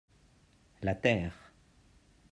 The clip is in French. La terre.